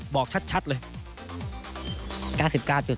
บอกชัดเลย